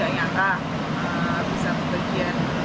gak nyata bisa berbagian